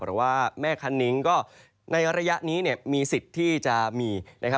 หรือว่าแม่คันนิ้งก็ในระยะนี้เนี่ยมีสิทธิ์ที่จะมีนะครับ